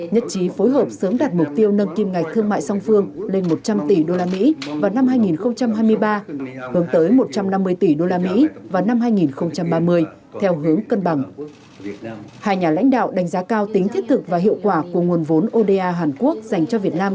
nhất trí phối hợp sớm đạt mục tiêu nâng kim ngạch thương mại song phương lên một trăm linh tỷ usd vào năm hai nghìn hai mươi ba